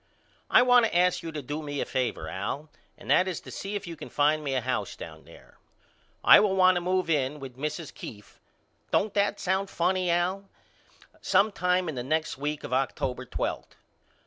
I want to ask you to do me a favor Al and that is to see if you can find me a house down there. I will want to move in with Mrs. Keefe, don't that sound funny Al? sometime in the week of October twelfth.